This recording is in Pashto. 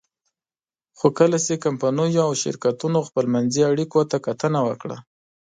خو کله چې کمپنیو او شرکتونو خپلمنځي اړیکو ته کتنه وکړه.